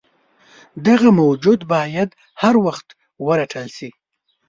دغه موجود باید هروخت ورټل شي.